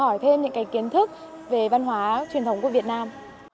hỏi thêm những cái kiến thức về văn hóa truyền thống của việt nam